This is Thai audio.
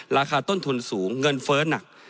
ราคาต้นทุนสูงเงินเฟ้อหนัก